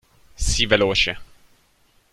Sii veloce.